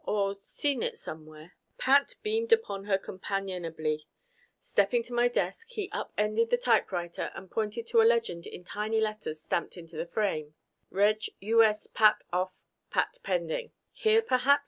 Or seen it somewhere " Pat beamed upon her companionably. Stepping to my desk, he up ended the typewriter and pointed to a legend in tiny letters stamped into the frame: Reg. U.S. Pat. Off. Pat. Pending. "Here, perhaps?"